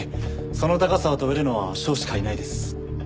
その高さを跳べるのは翔しかいないです。